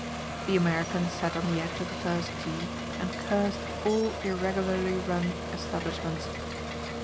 The American sat on the edge of the first tee and cursed all irregularly run establishments.